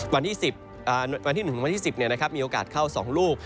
วันที่๑วันที่๑มีโอกาสเข้า๒ลูก